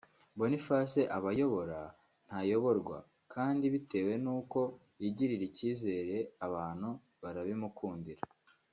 Boniface aba ayobora ntayoborwa kandi bitewe n’uko yigirira icyizere abantu barabimukundira